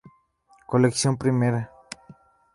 Colección Primera.